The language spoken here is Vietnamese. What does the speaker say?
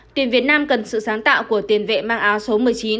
tuyển việt nam cần sự sáng tạo của tiền vệ mang áo số một mươi chín